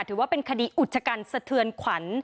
ถือว่าเป็นคดีอุจกันสะเทือนขวัญ